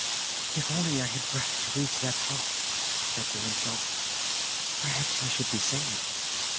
"If only I had breath to reach that house," he said to himself, "perhaps I should be saved."